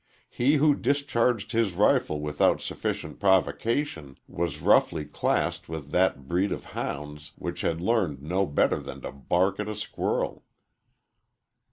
He who discharged his rifle without sufficient provocation was roughly classed with that breed of hounds which had learned no better than to bark at a squirrel.